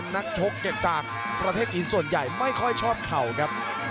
นักชกจากประเทศจีนส่วนใหญ่ไม่ค่อยชอบเข่าครับ